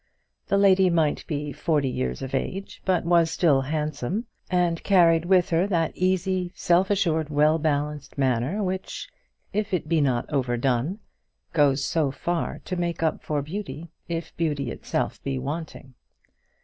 The lady might be forty years of age, but was still handsome, and carried with her that easy, self assured, well balanced manner, which, if it be not overdone, goes so far to make up for beauty, if beauty itself be wanting.